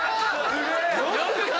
すげえ！